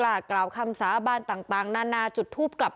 เราใกล้ความรันนะครับ